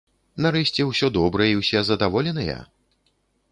Нарэшце ўсё добра і ўсе задаволеныя?